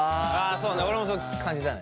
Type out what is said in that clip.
それは俺もそう感じたね。